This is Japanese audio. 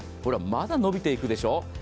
ほらまだ伸びていくでしょ？